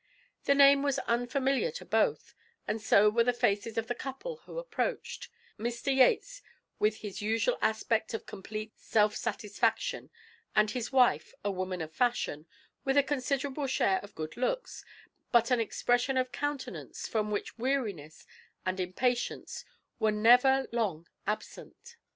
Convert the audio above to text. The name was unfamiliar to both, and so were the faces of the couple who approached Mr. Yates with his usual aspect of complete self satisfaction, and his wife, a woman of fashion, with a considerable share of good looks, but an expression of countenance from which weariness and impatience were never long absent.